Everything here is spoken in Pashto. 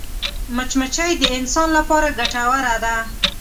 مچمچۍ د انسان لپاره ګټوره ده